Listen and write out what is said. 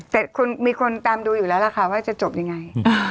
แต่คนมีคนตามดูอยู่แล้วล่ะค่ะว่าจะจบยังไง